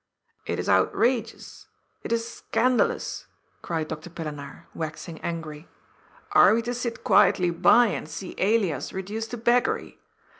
It is outrageous. It is scandalous," cried Dr. Pillenaar, waxing angry. " Are we to sit quietly by and see Elias reduced to beggary?